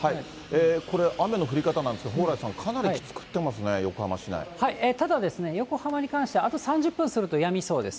これ、雨の降り方なんですが、蓬莱さん、かなりきつく降ってまただ、横浜に関しては、あと３０分するとやみそうです。